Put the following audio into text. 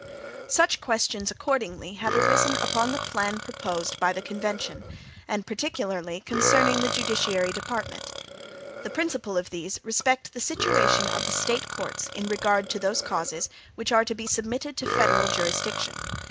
Such questions, accordingly, have arisen upon the plan proposed by the convention, and particularly concerning the judiciary department. The principal of these respect the situation of the State courts in regard to those causes which are to be submitted to federal jurisdiction.